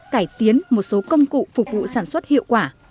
cải tiến một số công cụ phục vụ sản xuất hiệu quả